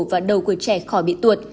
và đầu của trẻ khỏi bị tuột